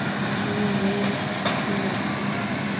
Seni yayrab kuylarman